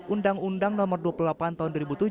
undang undang nomor dua puluh delapan tahun dua ribu tujuh